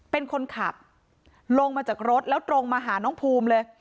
เป็นคนขับลงมาจากรถแล้วตรงมาหาน้องภูมิเลย